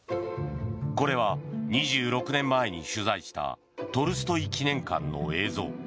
これは２６年前に取材したトルストイ記念館の映像。